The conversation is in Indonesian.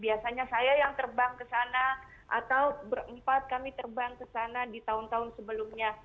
biasanya saya yang terbang kesana atau berempat kami terbang kesana di tahun tahun sebelumnya